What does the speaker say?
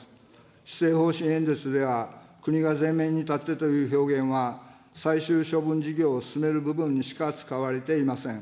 施政方針演説では、国が前面に立ってという表現は最終処分事業を進める部分にしか使われていません。